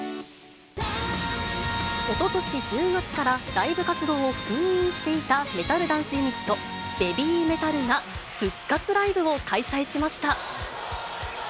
おととし１０月からライブ活動を封印していたメタルダンスユニット、ＢＡＢＹＭＥＴＡＬが復活ライブを開催しました。